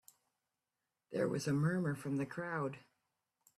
There was a murmur from the crowd.